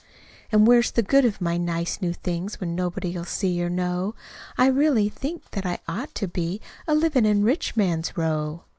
"An' where's the good of my nice new things, When nobody'll see or know? I really think that I ought to be A livin' in Rich Man's Row."